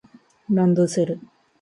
ランドセル